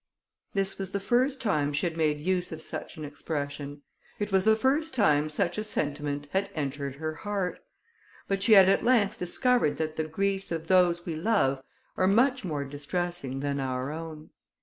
This was the first time she had made use of such an expression. It was the first time such a sentiment had entered her heart; but she had at length discovered that the griefs of those we love are much more distressing than our own.